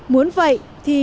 muốn vậy thì